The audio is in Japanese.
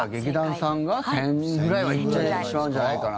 劇団さんは１０００人ぐらいは行ってしまうんじゃないかな。